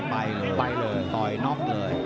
ไปเลยต่อน็อคเลย